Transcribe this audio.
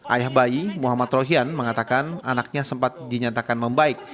ayah bayi muhammad rohian mengatakan anaknya sempat dinyatakan membaik